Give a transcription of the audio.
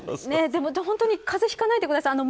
本当に風邪はひかないでください。